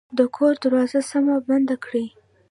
د کور دروازه سمه بنده کړئ